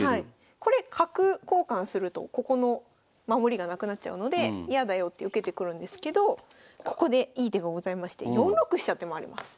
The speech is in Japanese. これ角交換するとここの守りがなくなっちゃうのでやだよって受けてくるんですけどここでいい手がございまして４六飛車って回ります。